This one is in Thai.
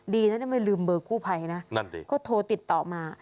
ดีนะไม่ลืมเบอร์กู้ภัยนะนั่นดิก็โทรติดต่อมา